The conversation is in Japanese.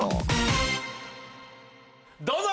どうぞ！